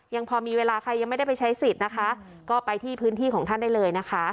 ยังพอมีเวลาใครยังไม่ได้ไปใช้สิทธิ์นะคะก็ไปที่พื้นที่ของท่านได้เลยนะคะ